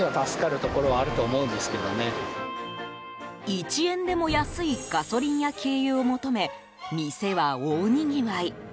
１円でも安いガソリンや軽油を求め、店は大にぎわい。